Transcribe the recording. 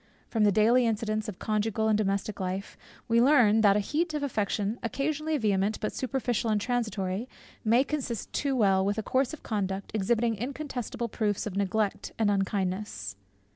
From the daily incidents of conjugal and domestic life, we learn that a heat of affection occasionally vehement, but superficial and transitory, may consist too well with a course of conduct, exhibiting incontestable proofs of neglect and unkindness.